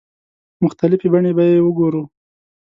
مختلفې بڼې به یې وګورو.